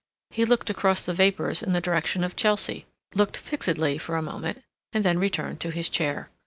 He looked across the vapors in the direction of Chelsea; looked fixedly for a moment, and then returned to his chair.